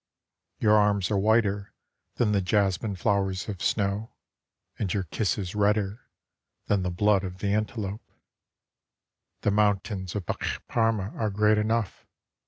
Your arms are whiter than the jasmine flowers of snow ; And your kiss is redder than the blood of the antelope. The mountains of Bech'Parma are great enough.